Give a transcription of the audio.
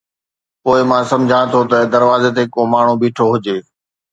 پوءِ مان سمجهان ٿو ته دروازي تي ڪو ماڻهو بيٺو هجي